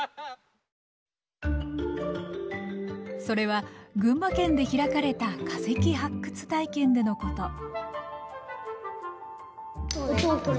それは群馬県で開かれた化石発掘体験でのこと。